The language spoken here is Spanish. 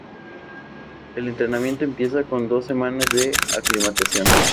El entrenamiento empieza con dos semanas de aclimatación.